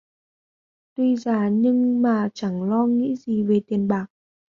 Tuy già nhưng mà chẳng phải lo nghĩ gì về tiền bạc